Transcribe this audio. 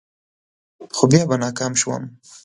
خو بیا به ناکام شوم.